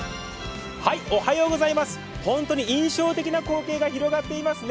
本当に印象的な光景が広がっていますね